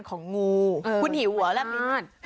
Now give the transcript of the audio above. ของโงโล